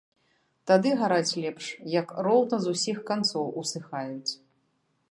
Тады гараць лепш, як роўна з усіх канцоў усыхаюць.